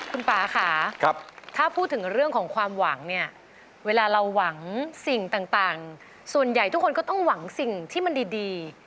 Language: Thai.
คุณป่าค่ะถ้าพูดถึงเรื่องของความหวังเนี่ยเวลาเราหวังสิ่งต่างส่วนใหญ่ทุกคนก็ต้องหวังสิ่งที่มันดี